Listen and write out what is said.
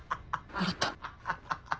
笑った。